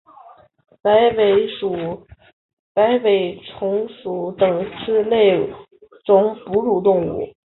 白尾鼹属等之数种哺乳动物。